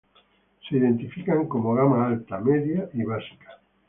Se identifican como gama alta, media y básica.